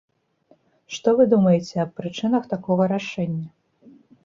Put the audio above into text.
Што вы думаеце аб прычынах такога рашэння?